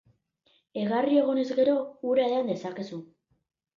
Egarri egonez gero, ura edan dezakezu.